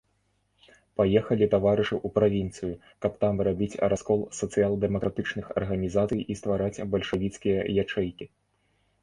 Паехалі таварышы ў правінцыю, каб там рабіць раскол сацыял-дэмакратычных арганізацый і ствараць бальшавіцкія ячэйкі.